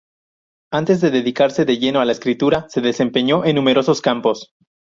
Antes de dedicarse de lleno a la escritura se desempeñó en numerosos campos.